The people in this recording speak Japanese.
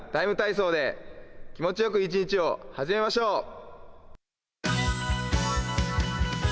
ＴＩＭＥ，体操」で気持ちよく一日を始めましょう！